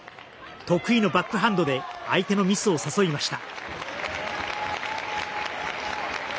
得意のバックハンドで相手のミスを誘いました。